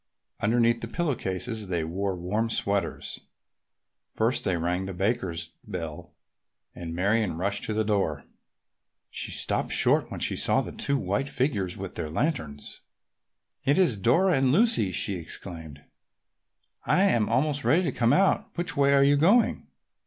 Underneath the pillow cases they wore warm sweaters. First they rang the Bakers' bell and Marion rushed to the door. She stopped short when she saw the two white figures with their lanterns. "It is Lucy and Dora!" she exclaimed. "I am almost ready to come out. Which way are you going?"